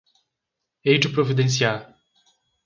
Hei de providenciar